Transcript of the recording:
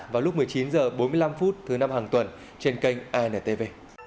vào lúc một mươi chín h bốn mươi năm thứ năm hàng tuần trên kênh antv